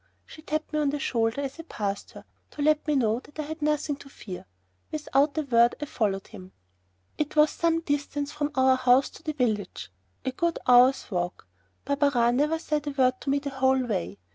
She tapped me on the shoulder as I passed her, to let me know that I had nothing to fear. Without a word I followed him. It was some distance from our house to the village a good hour's walk. Barberin never said a word to me the whole way.